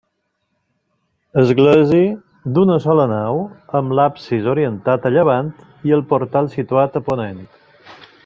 Església d'una sola nau, amb l'absis orientat a llevant i el portal situat a ponent.